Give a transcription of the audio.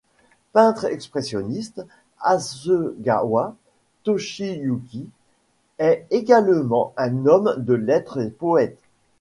Peintre expressionniste, Hasegawa Toshiyuki est également un homme de lettres et poète.